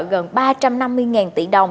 gần ba trăm năm mươi tỷ đồng